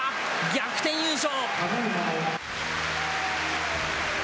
逆転優勝。